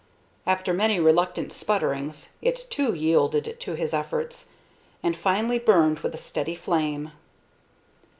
After many reluctant sputterings, it, too, yielded to his efforts, and finally burned with a steady flame.